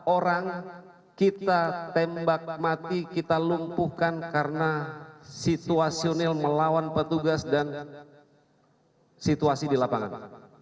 empat orang kita tembak mati kita lumpuhkan karena situasional melawan petugas dan situasi di lapangan